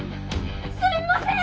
すみません！